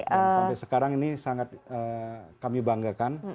yang sampai sekarang ini sangat kami banggakan